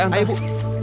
yaudah mari ibu